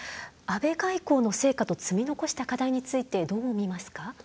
安倍外交の成果と積み残した課題についてどう見ますか？